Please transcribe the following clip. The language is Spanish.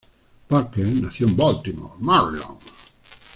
Parker nació en Baltimore, Maryland.